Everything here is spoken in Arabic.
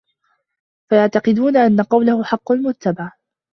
فَيَعْتَقِدُونَ أَنَّ قَوْلَهُ حَقٌّ مُتَّبَعٌ